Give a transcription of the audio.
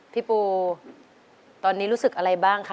พี่ปูตอนนี้รู้สึกอะไรบ้างคะ